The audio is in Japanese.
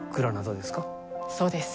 そうです。